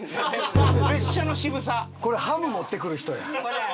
これハム持ってくる人やん。